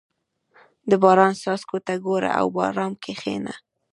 • د باران څاڅکو ته ګوره او ارام کښېنه.